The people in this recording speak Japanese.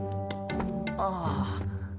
ああ。